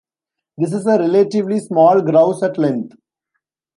This is a relatively small grouse at length.